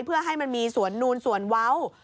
เพื่อให้มันมีสวนนูนส่วนเว้า